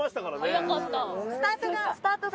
速かった。